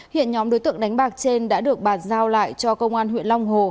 hiện nhóm đối tượng đánh bạc trên đã được bàn giao lại cho công an huyện long hồ